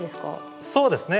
そうですね。